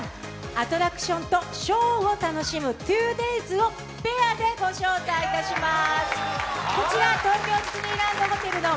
アトラクションとショーを楽しむ２ＤＡＹＳをペアでご招待いたします。